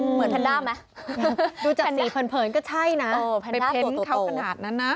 แพนด้าไหมดูจากสีเผินก็ใช่นะไปเพ้นเขาขนาดนั้นนะ